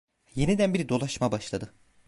Yeniden bir dolaşma başladı.